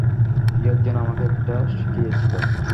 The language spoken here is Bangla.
কেউ একজন আমাকে এটা শিখিয়েছিল।